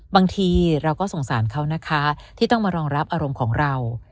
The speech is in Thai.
บางทีเราก็สงสารเขานะคะที่ต้องมารองรับอารมณ์ของเรา